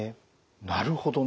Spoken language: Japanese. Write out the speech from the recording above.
なるほどね。